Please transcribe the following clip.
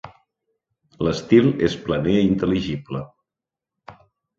L'estil és planer i intel·ligible.